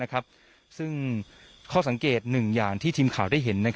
ซึ่งข้อสังเกต๑อย่างที่ทีมข่าวได้เห็น